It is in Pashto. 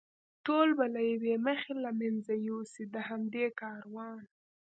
ټول به له یوې مخې له منځه یوسي، د همدې کاروان.